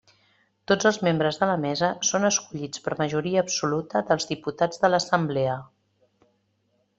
Tots els membres de la mesa són escollits per majoria absoluta dels diputats de l'Assemblea.